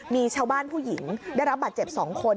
มีชาวบ้านผู้หญิงได้รับบาดเจ็บ๒คน